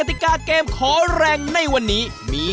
ส่วนกติกาเกมขอแรงในวันนี้